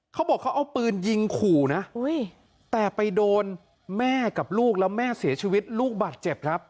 เขาบอกเขาเอาปืนยิงขู่นะแต่ไปโดนแม่กับลูกแล้วแม่เสียชีวิตลูกบาดเจ็บครับ